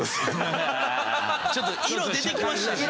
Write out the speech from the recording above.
ちょっと色出てきましたね。